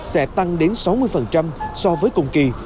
sẽ tăng đến sáu mươi so với cùng kỳ